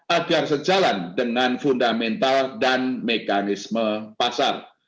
agar sejalan dengan fundamental dan mekanisme pasar